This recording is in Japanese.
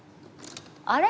あれ？